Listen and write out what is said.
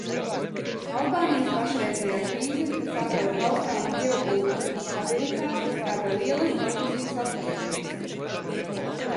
Albānijas pašreizējā krīze, kas apdraud Balkānu ģeopolitisko stabilitāti, rada lielas bažas un satraukumu.